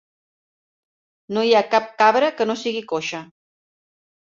No hi ha cap cabra que no sigui coixa.